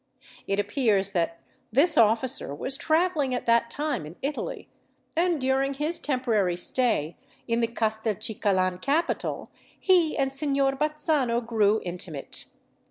It appears that this officer was travelling at that time in Italy: and during his temporary stay in the Castelcicalan capital, he and Signor Bazzano grew intimate.